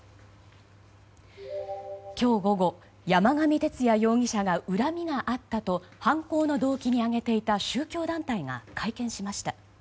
今日午後、山上徹也容疑者がうらみがあったと犯行の動機に挙げていた宗教団体が会見しました。